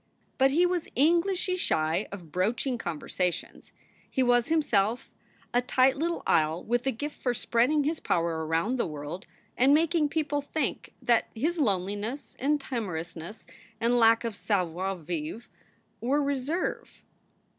But he was Englishly shy of broaching conversations; he was himself a tight little isle with a gift for spreading his power around the world and making people think that his loneliness and timorousness and lack of savoir vivre were reserve.